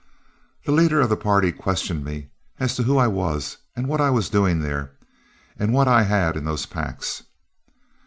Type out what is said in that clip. The leader of the party questioned me as to who I was, and what I was doing there, and what I had in those packs.